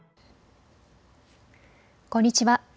こんにちは。